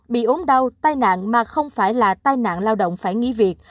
bị ốm đau tai nạn mà không phải là tai nạn lao động phải nghỉ việc